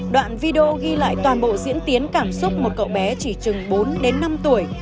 đoạn video ghi lại toàn bộ diễn tiến cảm xúc một cậu bé chỉ chừng bốn đến năm tuổi